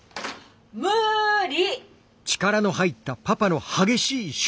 無理！